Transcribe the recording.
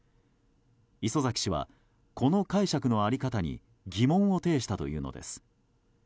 礒崎氏はこの解釈の在り方に疑問を呈したというのです。